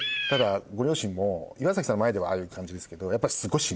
ご両親も岩崎さんの前ではああいう感じですけどやっぱり。